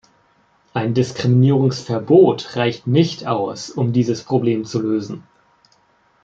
Ein Diskriminierungsverbot reicht nicht aus, um dieses Problem zu lösen.